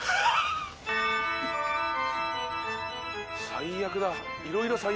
最悪だいろいろ最悪。